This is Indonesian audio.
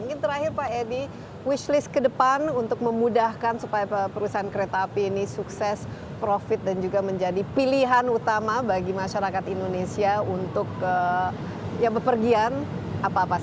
mungkin terakhir pak edi wish list ke depan untuk memudahkan supaya perusahaan kereta api ini sukses profit dan juga menjadi pilihan utama bagi masyarakat indonesia untuk ya bepergian apa apa saja